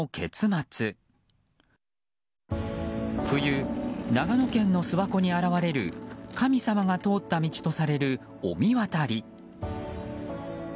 冬、長野県の諏訪湖に現れる神様が通った道とされる御神渡り。